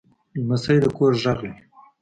لمسی د کور غږ وي.